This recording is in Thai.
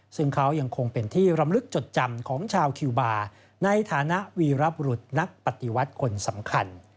ซึ่งเขายังคงเป็นที่รำลึกจดจำของชาวคิวบาร์ในฐานะวีรบุรุษนักปฏิวัติคนสำคัญ